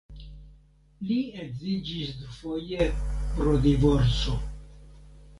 Li edziĝis dufoje pro divorco.